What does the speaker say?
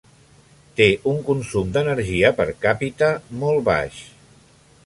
Té un consum d'energia per càpita molt baix.